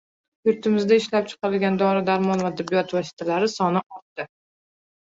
yurtimizda ishlab chiqariladigan dori-darmon va tibbiyot vositalari soni ortdi.